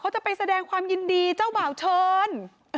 จะไปแสดงความยินดีเจ้าบ่าวเชิญ